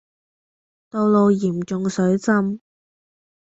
道路嚴重水浸